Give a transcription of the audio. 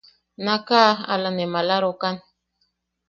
Naaʼaka ala ne maalarokan.